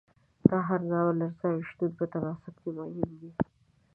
د هر ناول اجزاو شتون په تناسب کې مهم دی.